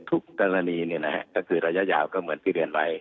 ทุกกรณีก็คือระยะยาวก็เหมือนที่เรียนไว้